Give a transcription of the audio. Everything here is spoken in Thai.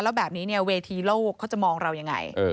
แล้วแบบนี้เนี่ยเวทีโลกเขาจะมองเรายังไง